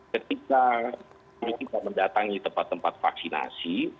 ketika kita mendatangi tempat tempat vaksinasi